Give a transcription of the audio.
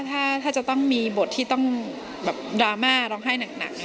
ถ้าจะต้องมีบทที่ต้องดราม่าร้องไห้หนัก